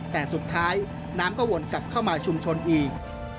แต่สุดท้ายน้ำก็วนกลับเข้ามาชุมชนอีก